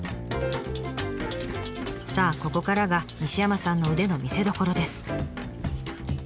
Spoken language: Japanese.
さあここからが西山さんの腕の見せどころです。